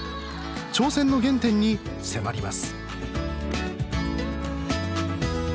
挑戦の原点に迫ります